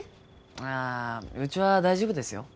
ああうちは大丈夫ですよ。